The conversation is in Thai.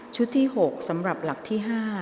ที่๖สำหรับหลักที่๕